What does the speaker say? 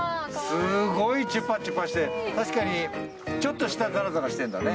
すごいちゅぱちゅぱして確かに、ちょっと舌、ザラザラしてるんだね。